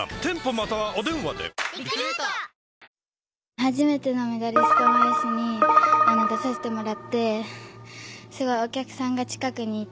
初めてのメダリスト・オン・アイスに出させていただいてお客さんが近くにいて